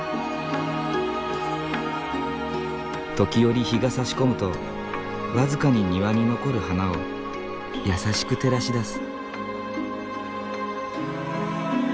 時折日がさし込むと僅かに庭に残る花を優しく照らし出す。